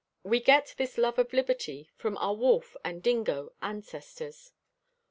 We get this love of liberty from our wolf and dingo ancestors.